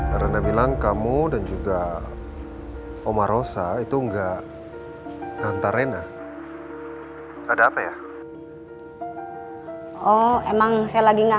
karena bilang kamu dan juga omarosa itu enggak nantar rena ada apa ya oh emang saya lagi enggak